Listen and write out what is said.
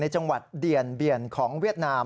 จังหวัดเด่นของเวียดนาม